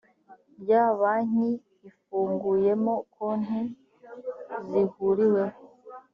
rya banki ifunguyemo konti zihuriweho